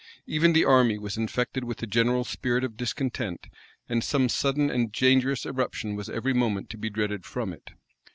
Even the army was infected with the general spirit of discontent; and some sudden and dangerous eruption was every moment to be dreaded from it.